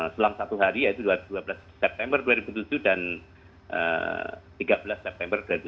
selang satu hari yaitu dua belas september dua ribu tujuh dan tiga belas september dua ribu tujuh belas